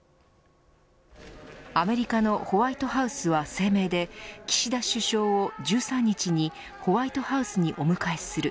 アメリカのホワイトハウスは声明で岸田首相を１３日にホワイトハウスにお迎えする。